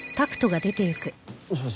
もしもし？